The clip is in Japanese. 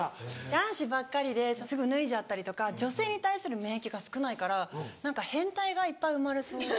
男子ばっかりですぐ脱いじゃったりとか女性に対する免疫が少ないから何か変態がいっぱい生まれそう。